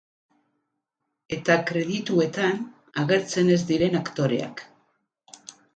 Eta kredituetan agertzen ez diren aktoreak.